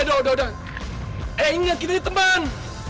udah doh udah inget kita ini teman